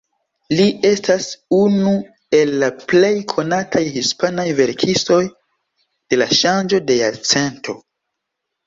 Li estas unu el la plej konataj hispanaj verkistoj de la ŝanĝo de jarcento.